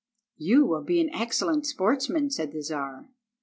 "You will be an excellent sportsman," said the Czar.